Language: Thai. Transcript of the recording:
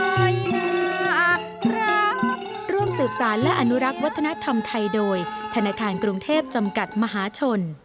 น่ารักร่วมสืบสารและอนุรักษ์วัฒนธรรมไทยโดยธนาคารกรุงเทพจำกัดมหาชน